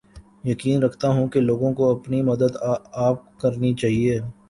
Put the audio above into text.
یقین رکھتا ہوں کے لوگوں کو اپنی مدد آپ کرنی چاھیے